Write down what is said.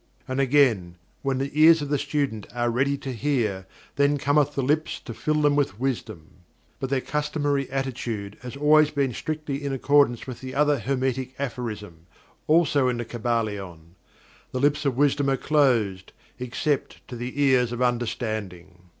And again: "When the ears of the student are ready to hear, then cometh the lips to fill them with wisdom." But their customary attitude has always been strictly in accordance with the other Hermetic aphorism, also in The Kybalion: "The lips of Wisdom are closed, except to the ears of Understanding."